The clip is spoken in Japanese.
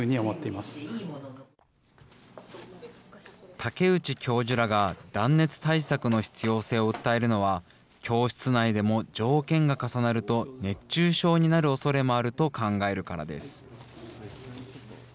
竹内教授らが断熱対策の必要性を訴えるのは、教室内でも条件が重なると熱中症になるおそれもあると考えるからです。